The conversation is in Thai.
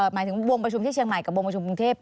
หมายถึงวงประชุมที่เชียงใหม่กับวงประชุมกรุงเทพ